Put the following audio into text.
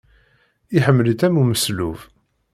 Iḥemmel-itt am umeslub.